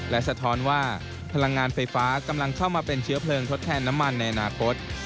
และสะท้อนว่าพลังงานไฟฟ้ากำลังเข้ามาเป็นเชื้อเพลิงทดแทนน้ำมันในอนาคต